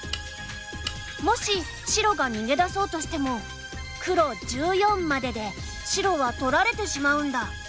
もし白が逃げ出そうとしても黒１４までで白は取られてしまうんだ。